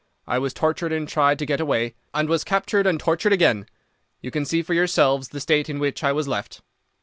I was tortured and tried to get away, and was captured and tortured again. You can see for yourselves the state in which I was left.